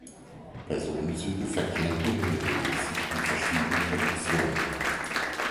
Personenzüge verkehren unregelmäßig in verschiedenen Relationen.